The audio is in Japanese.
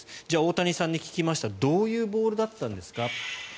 じゃあ大谷さんに聞きましたどういうボールだったんですか？